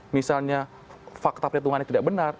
misalnya fakta perhitungannya tidak benar